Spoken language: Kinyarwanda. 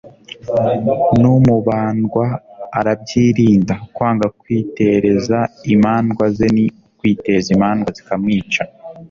n’umubandwa arabyirinda, kwanga kwitereza imandwa ze ni ukwiteza imandwa zikamwica